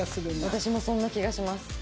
私もそんな気がします。